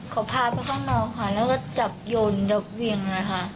เขาพาไปข้างนอกแล้วก็จับโยนจับเหวียง